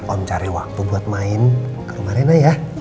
om cari waktu buat main ke rumah rena ya